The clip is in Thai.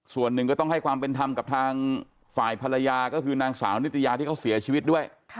ส่วนหนึ่งก็ต้องให้ความเป็นธรรมกับทางฝ่ายภรรยาก็คือนางสาวนิตยาที่เขาเสียชีวิตด้วย